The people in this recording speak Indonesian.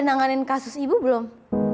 om udah nangganin kasus ibu belum